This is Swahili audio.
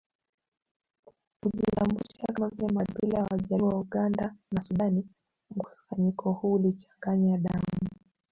kujitabulisha kama vile makabila ya Wajaluo wa Uganda na Sudan Mkusanyiko huu ulichanganya damu